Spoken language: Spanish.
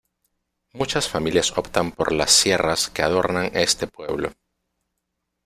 Muchas familias optan por las sierras que adornan este pueblo.